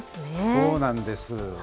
そうなんです。